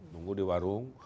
tunggu di warung